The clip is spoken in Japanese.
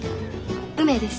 梅です。